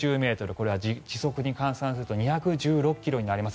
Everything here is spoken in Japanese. これは時速に換算すると２１６ｋｍになります。